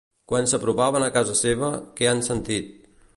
Quan s'apropaven a casa seva, què han sentit?